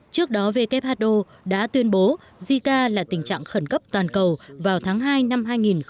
trước đó who đã tuyên bố zika là tình trạng khẩn cấp toàn cầu vào tháng hai năm hai nghìn hai mươi